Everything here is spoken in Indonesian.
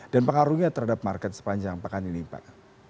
dan pengaruhnya terhadap market sepanjang pekan ini pak